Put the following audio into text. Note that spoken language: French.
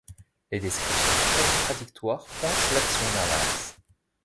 Les descriptions très contradictoires pointent l'action d'un lynx.